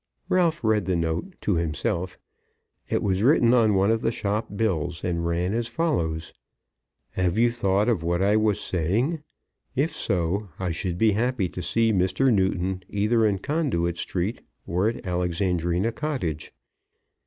Ralph read the note, to himself. It was written on one of the shop bills, and ran as follows: "Have you thought of what I was saying? If so, I should be happy to see Mr. Newton either in Conduit Street or at Alexandrina Cottage."